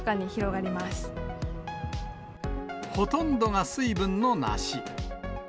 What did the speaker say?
ほとんどが水分の梨。